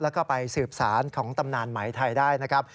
แล้วก็ไปสืบสารของตำนานไหมไทยได้นะครับ